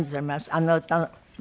あの歌で。